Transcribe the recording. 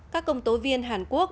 các công tố viên hàn quốc